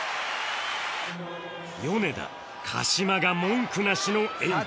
米田鹿島が文句なしの演技